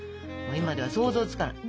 今では想像つかない。